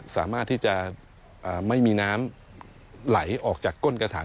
สามารถที่จะไม่มีน้ำไหลออกจากก้นกระถาง